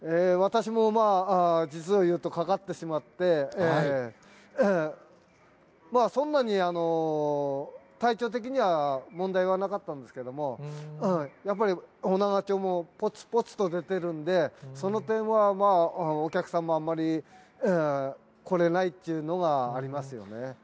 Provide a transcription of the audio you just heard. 私も実を言うとかかってしまって、そんなに、体調的には、問題はなかったんですけれども、やっぱり女川町も、ぽつぽつと出てるんで、その点は、お客さんもあんまり来れないっていうのがありますよね。